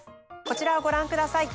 こちらをご覧ください。